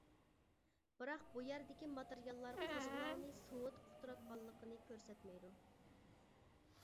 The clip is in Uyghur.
بىراق بۇ يەردىكى ماتېرىياللار قوزغىلاڭنى سوۋېت قۇتراتقانلىقىنى كۆرسەتمەيدۇ.